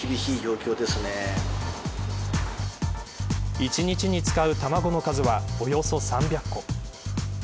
一日に使う卵の数はおよそ３００個。